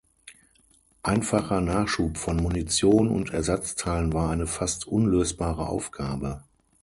Einfacher Nachschub von Munition und Ersatzteilen war eine fast unlösbare Aufgabe.